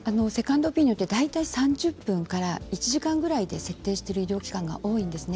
大体３０分から１時間ぐらいで設定している医療機関が多いですね。